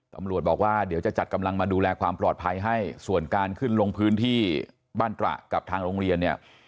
ตำรวจบอกว่าเดี๋ยวจะจัดกำลังมาดูแลความปลอดภัยให้ส่วนการขึ้นลงพื้นที่บ้านตระกับทางโรงเรียนเนี่ย